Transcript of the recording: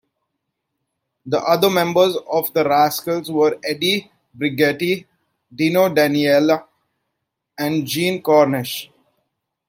The other members of The Rascals were Eddie Brigati, Dino Danelli and Gene Cornish.